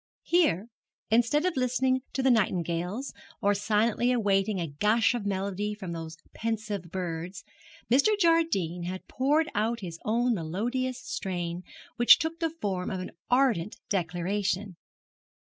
Here, instead of listening to the nightingales, or silently awaiting a gush of melody from those pensive birds, Mr. Jardine had poured out his own melodious strain, which took the form of an ardent declaration.